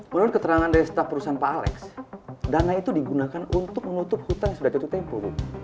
menurut keterangan dari staff perusahaan pak alex dana itu digunakan untuk menutup hutang yang sudah ketutup bu